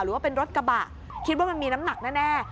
หรือว่าเป็นรถกระบะคิดว่ามันมีน้ำหนักแน่